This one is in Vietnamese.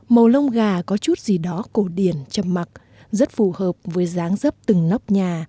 màu lông gà có chút gì đó cổ điển chầm mặc rất phù hợp với dáng dấp từng nóc nhà